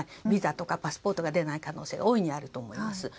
ビザとかパスポートが出ない可能性が大いにあると思います。